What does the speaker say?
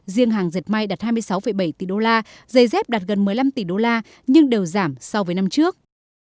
riêng hàng dệt may đạt hai mươi sáu bảy tỷ usd giày dép đạt gần một mươi năm tỷ usd nhưng đều giảm so với năm trước